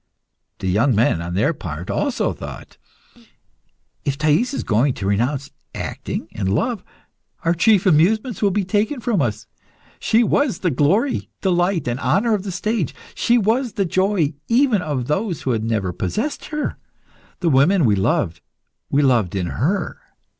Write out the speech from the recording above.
The young men, on their part, also thought "If Thais is going to renounce acting and love, our chief amusements will be taken from us. She was the glory, delight, and honour of the stage. She was the joy even of those who had never possessed her. The women we loved, we loved in her.